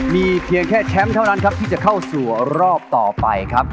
มีเพียงแค่แชมป์เท่านั้นครับที่จะเข้าสู่รอบต่อไปครับ